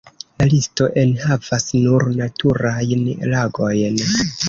La listo enhavas nur naturajn lagojn.